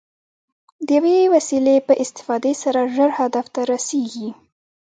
د یوې وسیلې په استفادې سره ژر هدف ته رسېږي.